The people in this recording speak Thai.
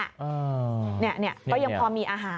ก็ยังพอมีอาหาร